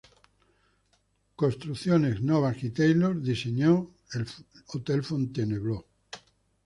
Novak and Taylor Construction diseñó el Fontainebleau Hotel.